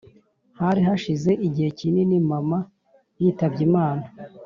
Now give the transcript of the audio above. hari hashize igihe kinini mama yitabye imana,